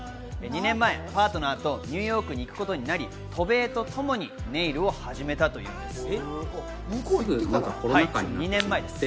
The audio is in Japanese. ２年前、パートナーとニューヨークに行くことになり、渡米とともにネイルを始めたというんです。